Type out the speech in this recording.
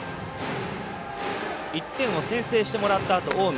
１点を先制してもらった近江。